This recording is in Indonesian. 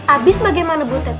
abis bagaimana butet